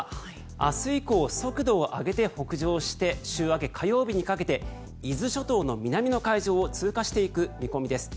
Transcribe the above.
明日以降、速度を上げて北上して週明け火曜日にかけて伊豆諸島の南の海上を通過していく見込みです。